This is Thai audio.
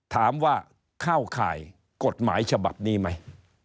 ถามว่าเข้าข่ายกฎหมายฉบับนี้ไหม